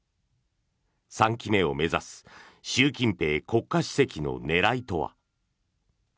３期目を目指す習近平国家主席の狙いとは。